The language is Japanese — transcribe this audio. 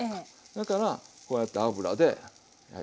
だからこうやって油ではい。